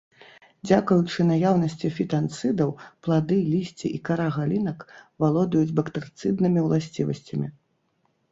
Дзякуючы наяўнасці фітанцыдаў плады, лісце і кара галінак валодаюць бактэрыцыднымі ўласцівасцямі.